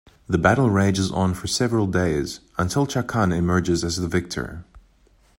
The battle rages on for several days until Chakan emerges as the victor.